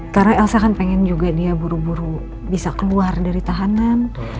karena elsa kan pengen juga dia buru buru bisa keluar dari tahanan